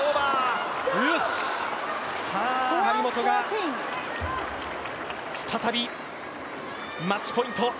張本が再びマッチポイント。